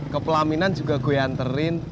ke pelaminan juga gue anterin